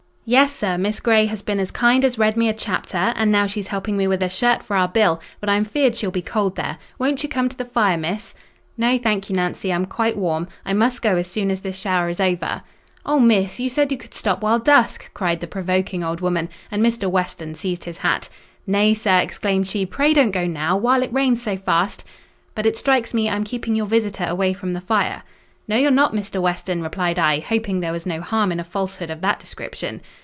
"Yes, sir; Miss Grey has been as kind as read me a chapter; an' now she's helping me with a shirt for our Bill—but I'm feared she'll be cold there. Won't you come to th' fire, Miss?" "No, thank you, Nancy, I'm quite warm. I must go as soon as this shower is over." "Oh, Miss! You said you could stop while dusk!" cried the provoking old woman, and Mr. Weston seized his hat. "Nay, sir," exclaimed she, "pray don't go now, while it rains so fast." "But it strikes me I'm keeping your visitor away from the fire." "No, you're not, Mr. Weston," replied I, hoping there was no harm in a falsehood of that description.